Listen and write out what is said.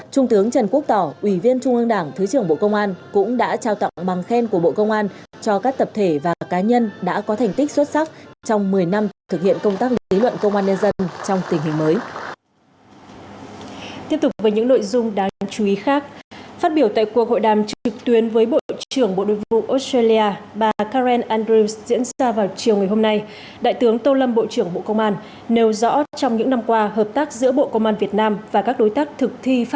trung tướng trần quốc tỏ ủy viên trung ương đảng thứ trưởng bộ công an cũng đã trao tặng bằng khen của bộ công an cho các tập thể và cá nhân đã có thành tích xuất sắc trong một mươi năm thực hiện công tác lý luận công an nhân dân trong tình hình mới